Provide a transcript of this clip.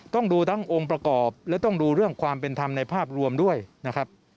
ต้องดูทั้งองค์ประกอบและต้องดูเรื่องความเป็นธรรมในภาพรวมด้วยนะครับ